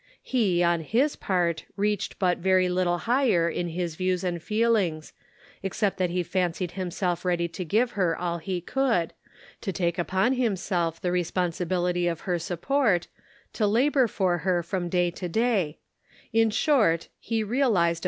He, on his part, reached but very little higher in his views and feelings, except that he fancied himself ready to give her all he could ; to take upon himself the responsibility of her support, to labor for her from day to day ; in short, he realized, 432 The Pocket Measure.